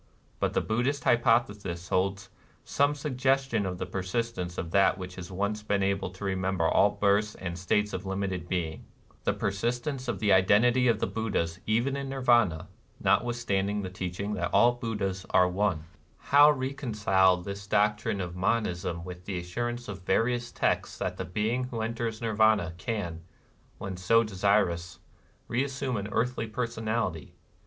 But the Buddhist hypothesis holds some suggestion of the persistence of that which has once been able to remember all births and states of limited being, — the per sistence of the identity of the Buddhas even 1 See a curious legend in the Vinaya texts, — KuUavagga, V. 8, 2. 256 NIRVANA in Nirvana, notwithstanding the teaching that all Buddhas are one. How reconcile this doctrine of monism with the assurance of va rious texts that the being who enters Nirvana can, when so desirous, reassume an earthly personality?